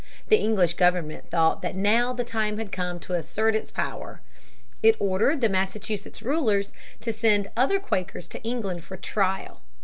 The English government thought that now the time had come to assert its power. It ordered the Massachusetts rulers to send other Quakers to England for trial.